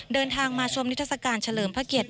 เดินทางมาชมนิทรศการเฉลิมพระเกียรติ